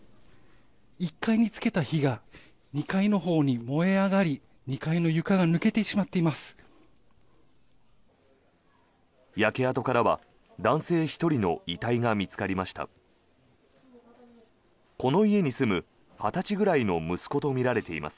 １階につけた火が２階のほうに燃え上がり２階の床が抜けてしまっています。